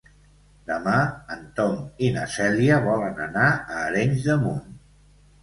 Demà en Tom i na Cèlia volen anar a Arenys de Munt.